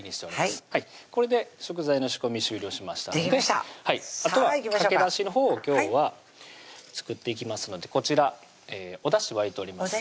これで食材の仕込み終了しましたのであとはかけだしのほうを今日は作っていきますのでこちらおだし沸いておりますおだしでございます